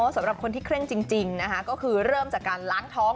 สำหรับคนที่เคร่งจริงนะคะก็คือเริ่มจากการล้างท้อง